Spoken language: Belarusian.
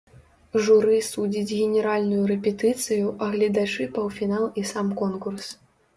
Журы судзіць генеральную рэпетыцыю, а гледачы паўфінал і сам конкурс.